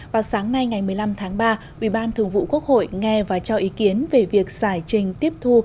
vào sáng nay ngày một mươi năm tháng ba ủy ban thường vụ quốc hội nghe và cho ý kiến về việc giải trình tiếp thu